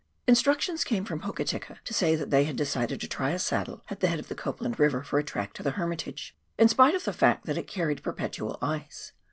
Instructions came from Hokitika to say that they had decided to try a saddle at the head of the Copland River for a track to the Hermitage, in spite of the fact that it carried perpetual ice.